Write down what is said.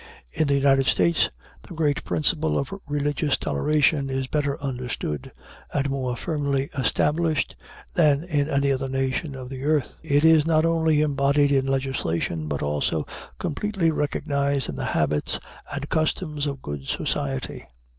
In the United States, the great principle of religious toleration is better understood and more firmly established than in any other nation of the earth. It is not only embodied in legislation, but also completely recognized in the habits and customs of good society.